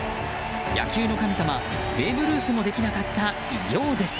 野球の神様、ベーブ・ルースもできなかった偉業です。